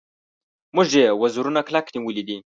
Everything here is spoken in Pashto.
موږ یې وزرونه کلک نیولي دي.